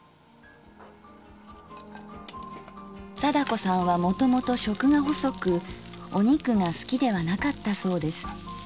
貞子さんはもともと食が細くお肉が好きではなかったそうです。